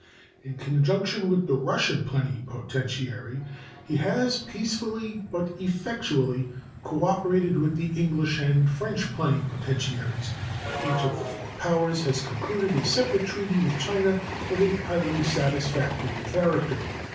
In conjunction with the Russian plenipotentiary, he has peacefully, but effectually, cooperated with the English and French plenipotentiaries, and each of the four powers has concluded a separate treaty with China of a highly satisfactory character.